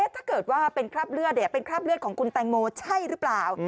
ถ้าเกิดว่าเป็นคราบเลือดเป็นคราบเลือดของคุณแตงโมใช่หรือเปล่า